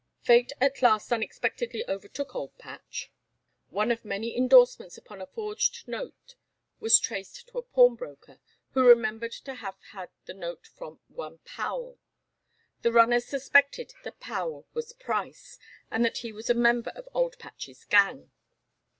Fate at last unexpectedly overtook Old Patch. One of many endorsements upon a forged note was traced to a pawnbroker, who remembered to have had the note from one Powel. The runners suspected that Powel was Price, and that he was a member of Old Patch's gang.